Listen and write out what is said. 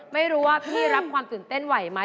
ไม่รู้ว่าพี่รับความตื่นเต้นไหวไหม